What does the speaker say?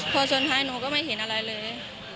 พอชนท้ายหนูก็ไม่เห็นอะไรเลย